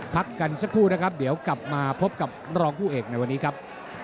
พักกันสักครู่นะครับเดี๋ยวกลับมาพบกับรองผู้เอกในวันนี้ครับ